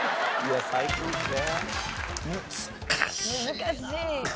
難しい。